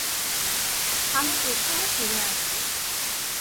আমি এখুনি ফিরে আসব।